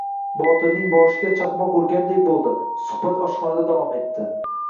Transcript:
Botirning boshiga chaqmoq urgandek bo`ldiSuhbat oshxonada davom etdi